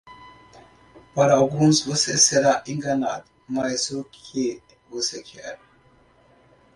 Para alguns, você será enganado, mas o que você quer?